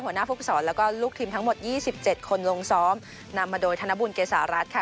หัวหน้าผู้ฝึกศรแล้วก็ลูกทีมทั้งหมดยี่สิบเจ็ดคนลงซ้อมนำมาโดยธนบุญเกษารัฐค่ะ